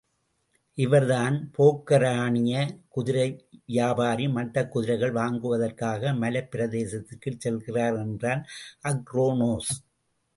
இவர்தான் போக்கரானிய குதிரை வியாபாரி மட்டக்குதிரைகள் வாங்குவதற்காக மலைப் பிரதேசத்திற்குச் செல்கிறார் என்றான், அக்ரோனோஸ்.